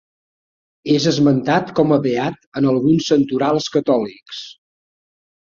És esmentat com a beat en alguns santorals catòlics.